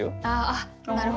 あっなるほど。